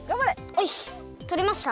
よしとれました。